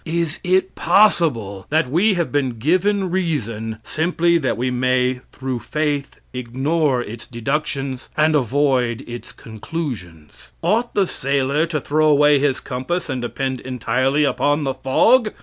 Is it possible that we have been given reason simply that we may through faith ignore its deductions and avoid its conclusions? Ought the sailor to throw away his compass and depend entirely upon the fog?